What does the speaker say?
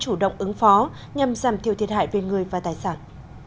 ứng phó nhằm giảm thiểu thiệt hại về người và tài sản